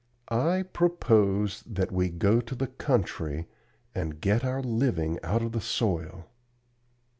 I propose that we go to the country and get our living out of the soil."